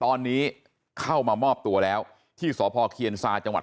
ตอนนี้เข้ามามอบตัวแล้วที่สพเคียนซาจังหวัด